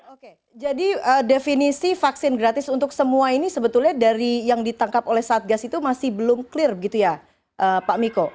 oke jadi definisi vaksin gratis untuk semua ini sebetulnya dari yang ditangkap oleh satgas itu masih belum clear begitu ya pak miko